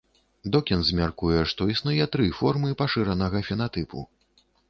Докінз мяркуе, што існуе тры формы пашыранага фенатыпу.